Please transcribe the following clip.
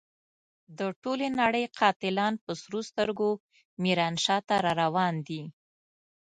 د ټولې نړۍ قاتلان په سرو سترګو ميرانشاه ته را روان دي.